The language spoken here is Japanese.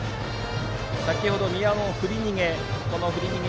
先程の宮尾の振り逃げ。